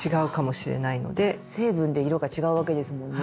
成分で色が違うわけですもんね。